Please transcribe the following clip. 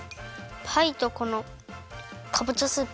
パイとこのかぼちゃスープ。